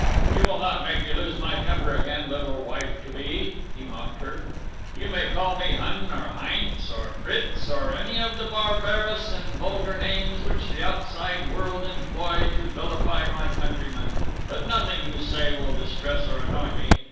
"You will not make me lose my temper again, Little wife to be," he mocked her; "you may call me Hun or Heinz or Fritz or any of the barbarous and vulgar names which the outside world employ to vilify my countrymen, but nothing you say will distress or annoy me.